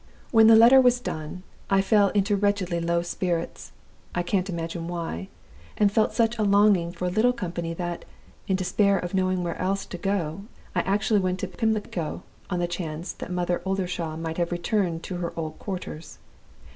"When the letter was done, I fell into wretchedly low spirits I can't imagine why and felt such a longing for a little company that, in despair of knowing where else to go, I actually went to Pimlico, on the chance that Mother Oldershaw might have returned to her old quarters.